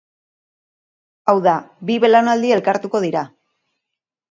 Hau da, bi belaunaldi elkartuko dira.